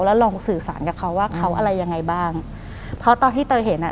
แล้วลองสื่อสารกับเขาว่าเขาอะไรยังไงบ้างเพราะตอนที่เตยเห็นอ่ะ